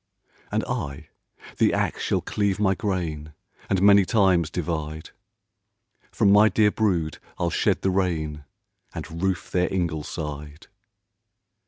"And I the ax shall cleave my grain, And many times divide; From my dear brood I'll shed the rain, And roof their ingleside."